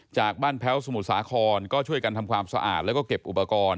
จากบ้านแพ้วสมุทรสาครก็ช่วยกันทำความสะอาดแล้วก็เก็บอุปกรณ์